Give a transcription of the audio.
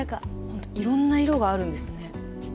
ホントいろんな色があるんですね。